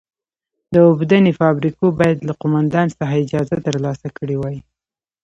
د اوبدنې فابریکو باید له قومندان څخه اجازه ترلاسه کړې وای.